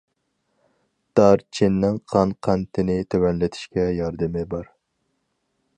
دارچىننىڭ قان قەنتىنى تۆۋەنلىتىشكە ياردىمى بار.